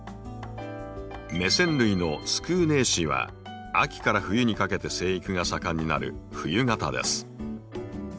メセン類のスクーネーシーは秋から冬にかけて生育が盛んになる「冬型」です。